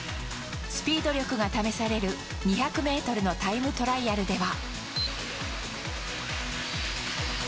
スピード力が試される２００ｍのタイムトライアルでは。